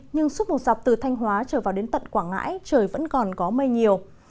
nhưng suốt một dọc từ thanh hóa trở vào đến tận quảng ngãi trời vẫn còn có mây nhiều